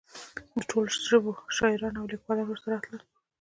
د ټولو ژبو شاعران او لیکوال ورته راتلل.